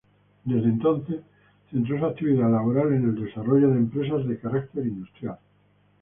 Desde entonces, centró su actividad laboral en el desarrollo de empresas de carácter industrial.